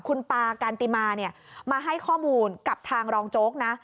คุณปากันติมาเนี่ยมาให้ข้อมูลกับทางรองโจ๊กนะ